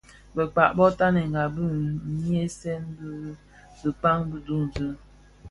Bekpag bo tanenga di nhyesen bi dhikpaň bi duńzi.